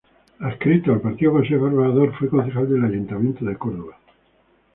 Adscrito al Partido Conservador, fue concejal del Ayuntamiento de Córdoba.